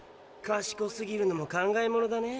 かしこすぎるのも考えものだねえ。